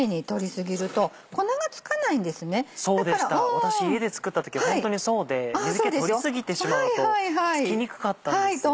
私家で作った時はホントにそうで水気取り過ぎてしまうと付きにくかったんです。